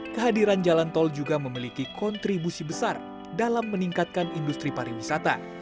kehadiran jalan tol juga memiliki kontribusi besar dalam meningkatkan industri pariwisata